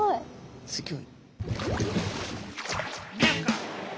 すギョい。